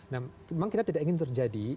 nah memang kita tidak ingin terjadi